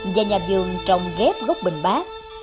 và nhà dường trồng ghép gốc bình bát